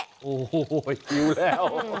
โอ๊ยหิวแล้ว